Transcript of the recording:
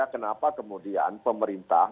kenapa kemudian pemerintah